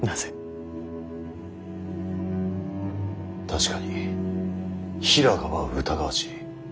確かに平賀は疑わしい。